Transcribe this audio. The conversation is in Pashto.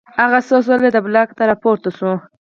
هغه څو ځله دې بلاک ته راپورته شو